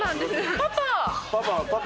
パパ！